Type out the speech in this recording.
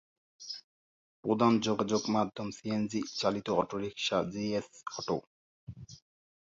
প্রধান যোগাযোগ মাধ্যম সিএনজি চালিত অটোরিক্সা, জিএস, অটো।